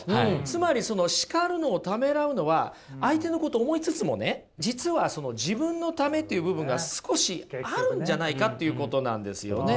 つまりその叱るのをためらうのは相手のことを思いつつもね実はその自分のためという部分が少しあるんじゃないかということなんですよね。